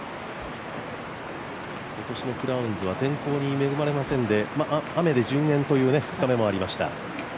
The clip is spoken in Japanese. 今年のクラウンズは天候に恵まれまして雨で順延という２日目もありました。